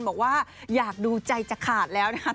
บอกว่าอยากดูใจจะขาดแล้วนะครับ